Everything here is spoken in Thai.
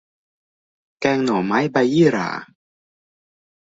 แกงหน่อไม้ใบยี่หร่า